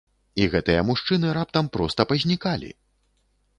І гэтыя мужчыны раптам проста пазнікалі!